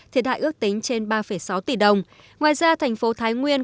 thiệt hại ước tính trên ba sáu tỷ đồng ngoài ra thành phố thái nguyên